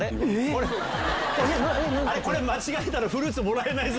これ間違えたらフルーツもらえないぞ。